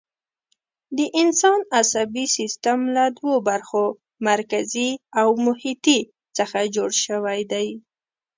د انسان عصبي سیستم له دوو برخو، مرکزي او محیطي څخه جوړ شوی دی.